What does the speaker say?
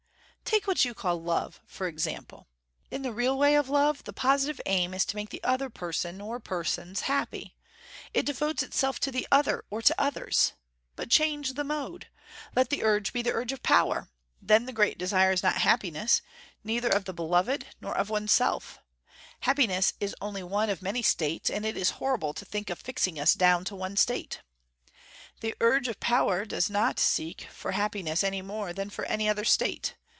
"Take what you call love, for example. In the real way of love, the positive aim is to make the other person or persons happy. It devotes itself to the other or to others. But change the mode. Let the urge be the urge of power. Then the great desire is not happiness, neither of the beloved nor of oneself. Happiness is only one of many states, and it is horrible to think of fixing us down to one state. The urge of power does not seek for happiness any more than for any other state.